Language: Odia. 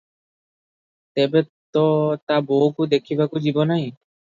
ତେବେ ତ ତା ବୋଉକୁ ଦେଖିବାକୁ ଯିବି ନାହିଁ ।